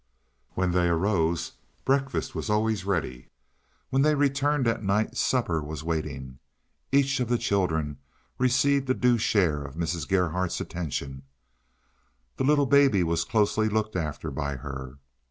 When they arose breakfast was always ready. When they returned at night supper was waiting. Each of the children received a due share of Mrs. Gerhardt's attention. The little baby was closely looked after by her.